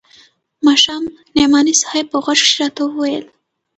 ماښام نعماني صاحب په غوږ کښې راته وويل.